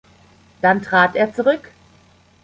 Dann trat er zurück.